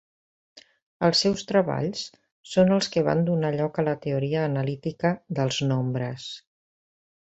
Els seus treballs són els que van donar lloc a la teoria analítica dels nombres.